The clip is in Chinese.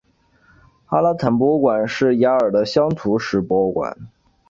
阿拉坦博物馆是亚尔的乡土史博物馆。